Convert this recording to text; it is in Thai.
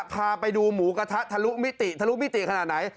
พาไปดูหมูกระทะทะลุมิติทะลุมิติขนาดไหน